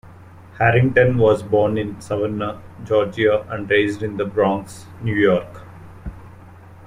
Harrington was born in Savannah, Georgia and raised in the Bronx, New York.